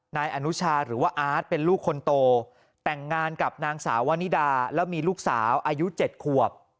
นายอนุชาหรือว่าอาร์ตเป็นลูกคนโตแต่งงานกับนางสาววานิดาแล้วมีลูกสาวอายุ๗ขวบ